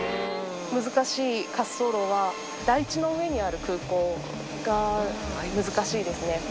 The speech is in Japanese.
難しい滑走路は、台地の上にある空港が難しいですね。